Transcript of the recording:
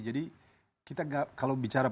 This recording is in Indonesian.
jadi kita kalau bicara